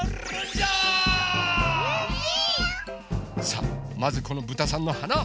さあまずこのぶたさんのはな。